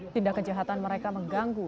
tindak kejahatan mereka mengganggu